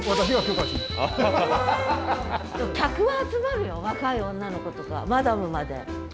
客は集まるよ若い女の子とかマダムまで。